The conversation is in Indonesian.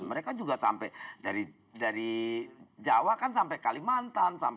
mereka juga sampai dari jawa kan sampai kalimantan